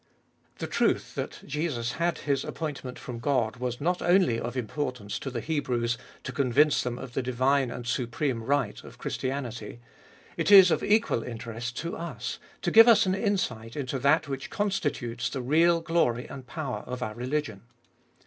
The truth that Jesus had His appointment from God was not only of importance to the Hebrews to convince them of the divine and supreme right of Christianity ; it is of equal interest to us, to give us an insight into that which constitutes the real glory and power of our religion.